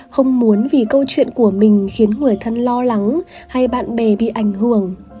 không muốn vì câu chuyện của mình khiến người thân lo lắng hay bạn bè bị ảnh hưởng